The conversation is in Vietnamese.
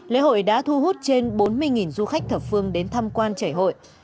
lễ hội đã thu hút trên bốn mươi du khách thập phương đến tham quan chảy hội